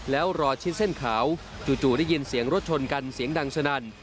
แล้วรอชิดเส้นขาวจู่ได้ยินเสียงรถชนกันเสียงดังสนั่น